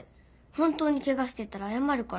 本当にけがしてたら謝るから。